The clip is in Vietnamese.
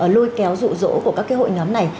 lôi kéo rụ rỗ của các hội nhóm này